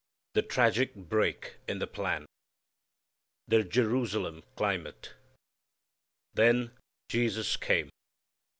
The Tragic Break in the Plan The Jerusalem Climate. Then Jesus came.